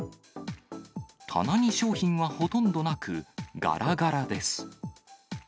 棚に商品はほとんどなく、がらがらです。